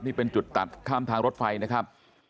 นี่เป็นจุดตัดข้ามทางรถไฟนะครับ